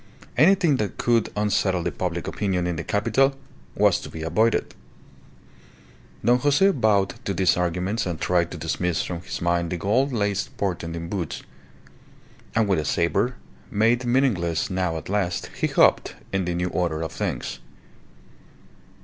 Anything that could unsettle the public opinion in the capital was to be avoided. Don Jose bowed to these arguments and tried to dismiss from his mind the gold laced portent in boots, and with a sabre, made meaningless now at last, he hoped, in the new order of things.